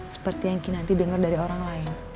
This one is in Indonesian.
seperti yang kinanti dengar dari orang lain